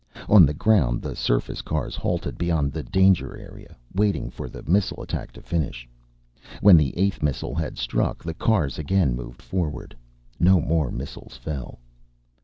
On the ground, the surface cars halted beyond the danger area, waiting for the missile attack to finish. When the eighth missile had struck, the cars again moved forward. No more missiles fell.